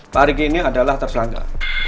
pak riki ini adalah tersangka